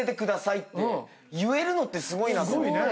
言えるのってすごいなって。